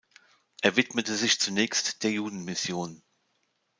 Er widmete sich zunächst der Judenmission.